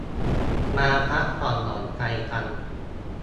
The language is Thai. มาพักผ่อนหย่อนใจกัน